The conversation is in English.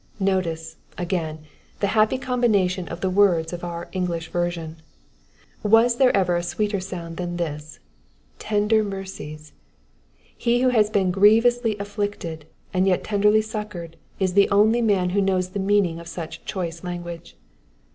Notice, again, the happy combination of the words of our English version. Was there ever a sweeter sound than this —'* tender mercies" ? He who has been grievously afflicted, and yet tenderly suc coured is the only man who knows the meaning of such choice language.